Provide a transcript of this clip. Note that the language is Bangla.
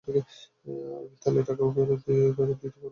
আর মিত্তালের টাকাও ফেরত দিতে পারব না।